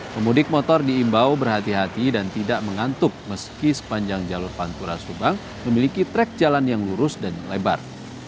pemudik motor diimbau berhati hati dan tidak mengantuk meski sepanjang jalur pantura subang memiliki trek jalan yang lurus dan lebar